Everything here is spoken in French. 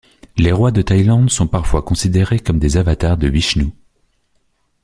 Les rois de Thaïlande sont parfois considérés comme des avatars de Vishnou.